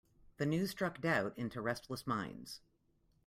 The news struck doubt into restless minds.